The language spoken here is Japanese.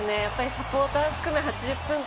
サポーター含め８０分間